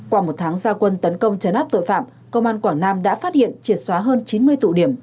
qua một tháng gia quân tấn công chấn áp tội phạm công an quảng nam đã phát hiện triệt xóa hơn chín mươi tụ điểm